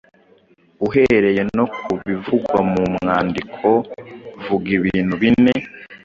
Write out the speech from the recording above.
Uhereye no ku bivugwa mu mwandiko vuga ibintu bine